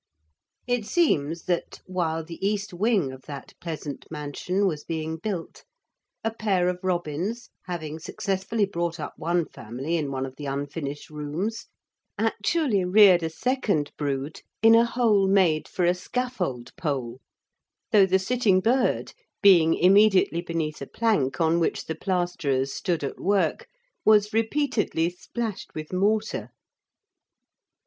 It seems that, while the east wing of that pleasant mansion was being built, a pair of robins, having successfully brought up one family in one of the unfinished rooms, actually reared a second brood in a hole made for a scaffold pole, though the sitting bird, being immediately beneath a plank on which the plasterers stood at work, was repeatedly splashed with mortar!